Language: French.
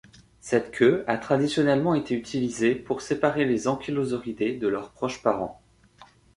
Cette queue a traditionnellement été utilisée pour séparer les Ankylosauridae de leurs proches parents.